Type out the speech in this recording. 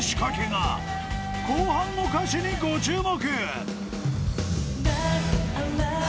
［後半の歌詞にご注目！］